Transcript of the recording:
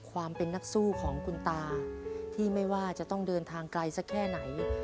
ความเป็นนักสู้ของคุณตาที่ไม่ว่าจะต้องเดินทางไกลสักแค่ไหน